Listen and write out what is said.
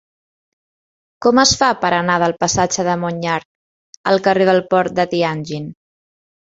Com es fa per anar del passatge de Monyarc al carrer del Port de Tianjin?